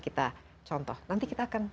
kita contoh nanti kita akan